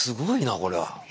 これは。